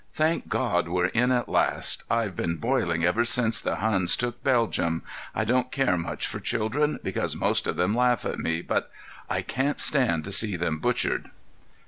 "Thank God, we're in at last! I've been boiling ever since the Huns took Belgium. I don't care much for children, because most of them laugh at me, but—I can't stand to see them butchered."